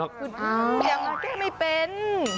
คุณยังแก้ไม่เป็น